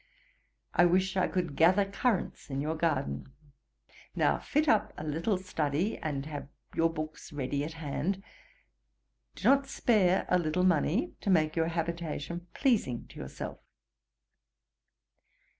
I wish I could gather currants in your garden. Now fit up a little study, and have your books ready at hand; do not spare a little money, to make your habitation pleasing to yourself.